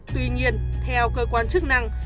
tuy nhiên theo cơ quan chức năng